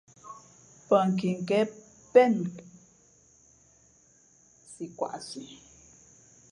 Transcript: Pά nkiken pēn nu si kwaꞌsi.